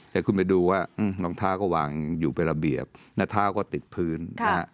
จะคุยดูว่าอืมลองท่าก็วางอยู่เป็นระเบียบแล้วท่าก็ติดพื้นค่ะ